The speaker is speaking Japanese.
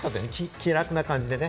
気楽な感じでね。